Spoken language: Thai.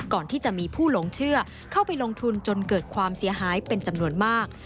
ก่อนที่จะมีผู้หลงเชื่อเข้าไปลงทุนจนเกิดความเสียหายเป็นจำนวนมาก